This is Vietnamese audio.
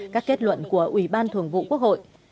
các kết luận của ủy ban thường vụ quốc hội